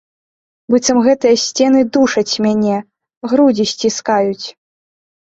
Быццам гэтыя сцены душаць мяне, грудзі сціскаюць.